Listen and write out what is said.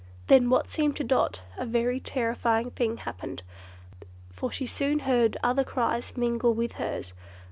Then what seemed to Dot a very terrifying thing happened; for she soon heard other cries mingle with hers.